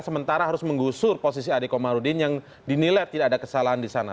sementara harus menggusur posisi ade komarudin yang dinilai tidak ada kesalahan di sana